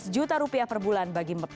lima belas juta rupiah per bulan bagi